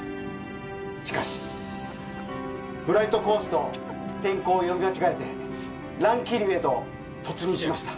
しかしフライトコースと天候を読み間違えて乱気流へと突入しました。